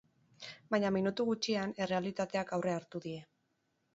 Baina minutu gutxian, errealitateak aurre hartu die.